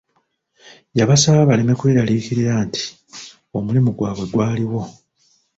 Yabasaba baleme kwerariikirira nti omulimo gwabwe gwaliwo.